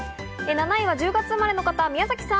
７位は１０月生まれの方、宮崎さん。